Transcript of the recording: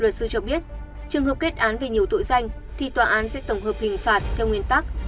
luật sư cho biết trường hợp kết án về nhiều tội danh thì tòa án sẽ tổng hợp hình phạt theo nguyên tắc